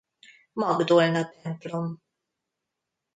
Magdolna templom.